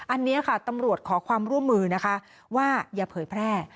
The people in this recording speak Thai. อันนี้ค่ะตำรวจขอความร่วมมือนะคะว่าอย่าเผยแพร่